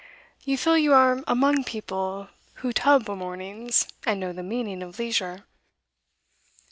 You feel you are among people who tub o' mornings and know the meaning of leisure.